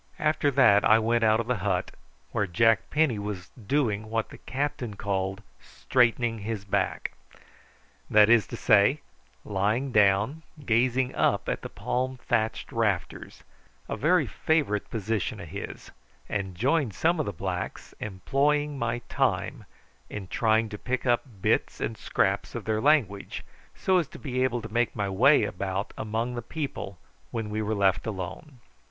After that I went out of the hut, where Jack Penny was doing what the captain called straightening his back that is to say, lying down gazing up at the palm thatched rafters, a very favourite position of his and joined some of the blacks, employing my time in trying to pick up bits and scraps of their language, so as to be able to make my way about among the people when we were left alone.